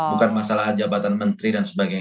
bukan masalah jabatan menteri dan sebagainya